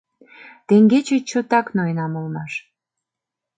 Теҥгече чотак ноенам улмаш.